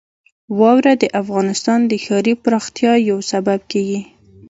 واوره د افغانستان د ښاري پراختیا یو سبب کېږي.